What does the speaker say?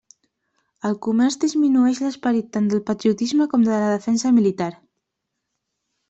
El comerç disminueix l'esperit tant del patriotisme com de la defensa militar.